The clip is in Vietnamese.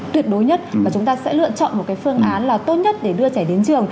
tuyệt đối nhất mà chúng ta sẽ lựa chọn một cái phương án là tốt nhất để đưa trẻ đến trường